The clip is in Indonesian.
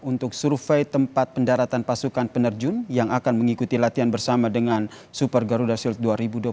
untuk survei tempat pendaratan pasukan penerjun yang akan mengikuti latihan bersama dengan super garuda shield dua ribu dua puluh tiga